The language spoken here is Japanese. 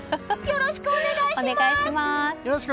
よろしくお願いします！